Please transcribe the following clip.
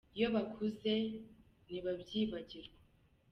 Iyo bakuze ntibabyibagirwa.